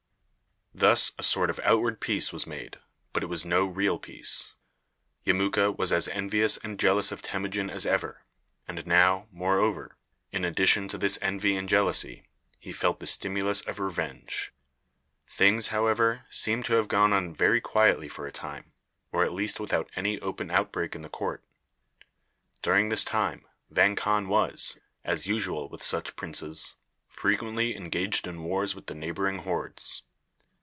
Thus a sort of outward peace was made, but it was no real peace. Yemuka was as envious and jealous of Temujin as ever, and now, moreover, in addition to this envy and jealousy, he felt the stimulus of revenge. Things, however, seem to have gone on very quietly for a time, or at least without any open outbreak in the court. During this time Vang Khan was, as usual with such princes, frequently engaged in wars with the neighboring hordes.